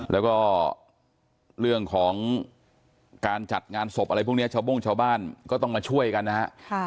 แล้วก็เรื่องของการจัดงานศพอะไรพวกนี้ชาวโบ้งชาวบ้านก็ต้องมาช่วยกันนะฮะ